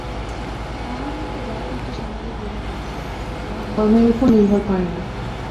তাঁহার মতে জাতি একটি সামাজিক বিভাগমাত্র, উহা ধর্মের উপর নির্ভর করে না।